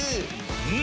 うん！